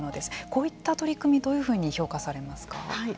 こういった取り組みどういうふうに評価されますか。